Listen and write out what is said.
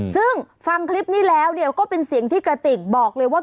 ซึ่งฟังคลิปนี้แล้วเนี่ยก็เป็นเสียงที่กระติกบอกเลยว่า